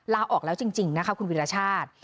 ลาออกแล้วจริงนะคะคุณวิรชาติ